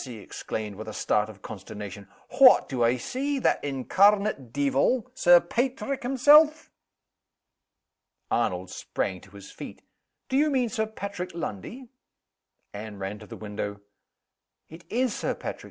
he exclaimed, with a start of consternation, "what do I see? That incarnate deevil, Sir Paitrick himself!" Arnold sprang to his feet. "Do you mean Sir Patrick Lundie?" Anne ran to the window. "It is Sir Patrick!"